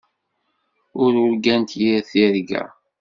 Ur urgant yir tirga.